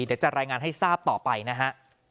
เดี๋ยวจะรายงานให้ทราบต่อไปนะฮะ